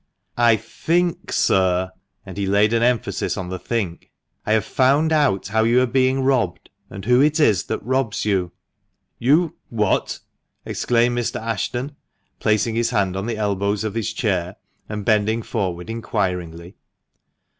" I think t sir," — and he laid an emphasis on the " think "—" I have found out how you are being robbed, and who it is that robs you." " You — what ?" exclaimed Mr. Ashton, placing his hand on the elbows of his chair, and bending forward inquiringly.